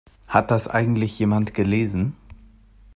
Hat das eigentlich jemand gelesen?